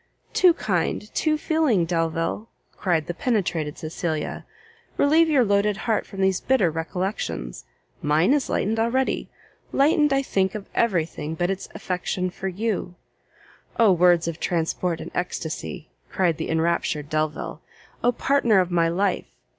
"Too kind, too feeling Delvile!" cried the penetrated Cecilia, "relieve your loaded heart from these bitter recollections; mine is lightened already, lightened, I think, of every thing but its affection for you!" "Oh words of transport and extacy!" cried the enraptured Delvile, "oh partner of my life!